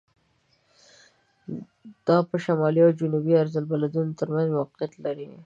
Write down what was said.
دا په شمالي او جنوبي عرض البلد تر منځ موقعیت لري.